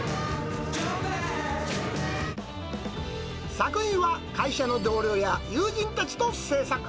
作品は会社の同僚や友人たちと制作。